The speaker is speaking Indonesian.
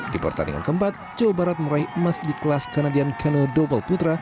di pertandingan keempat jawa barat meraih emas di kelas kanadian kano double putra